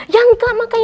ya enggak makanya